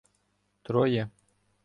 Троє